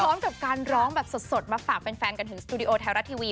พร้อมกับการร้องแบบสดมาฝากแฟนกันถึงสตูดิโอไทยรัฐทีวี